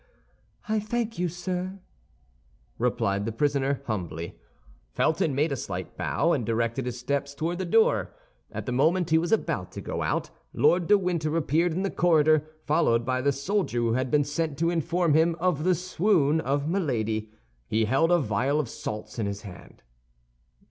"I thank you, sir," replied the prisoner, humbly. Felton made a slight bow, and directed his steps toward the door. At the moment he was about to go out, Lord de Winter appeared in the corridor, followed by the soldier who had been sent to inform him of the swoon of Milady. He held a vial of salts in his hand.